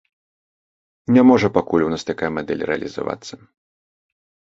Не можа пакуль у нас такая мадэль рэалізавацца.